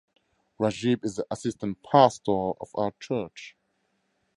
Rajib is the assistant pastor of our church.